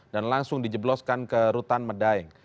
dan langsung dijebloskan ke rutan medaeng